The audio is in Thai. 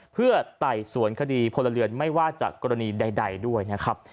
เพื่อไต่สวนคดีพลเรือนไม่ว่าจากกรณีใดด้วยนะครับ